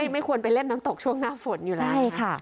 ไม่ควรไปเล่นน้ำตกช่วงหน้าฝนอยู่แล้วใช่ค่ะ